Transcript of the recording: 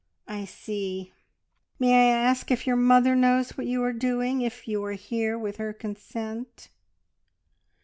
"I see! May I ask if your mother knows what you are doing if you are here with her consent?"